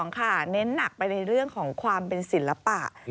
ค่ะเน้นหนักไปในเรื่องของความเป็นศิลปะ